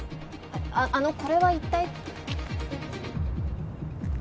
あっあのこれは一体。